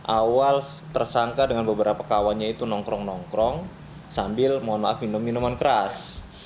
awal tersangka dengan beberapa kawannya itu nongkrong nongkrong sambil mohon maaf minum minuman keras